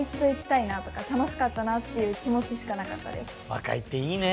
若いっていいねぇ。